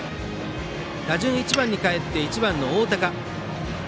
打順は１番にかえって１番、大高。